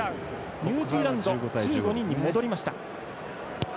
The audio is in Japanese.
ニュージーランド１５人に戻りました。